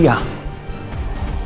masalahnya gue curiga sama dia